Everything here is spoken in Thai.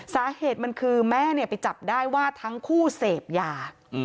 สาเหตุมันคือแม่ไปจับได้ว่าทั้งคู่เสพยา